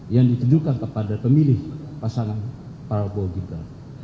yang ditujukan kepada pemilih pasangan prabowo gibran